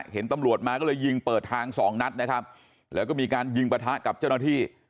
เห็นตำรวจมาก็เลยยิงเปิดทางสองนัดนะครับแล้วก็มีการยิงประทะกับเจ้าหน้าที่